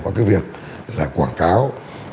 cái việc quảng cáo